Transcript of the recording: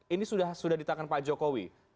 ini sudah ditangkan pak jokowi